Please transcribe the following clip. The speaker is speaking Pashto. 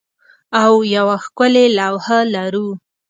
او یوه ښکلې لوحه لرو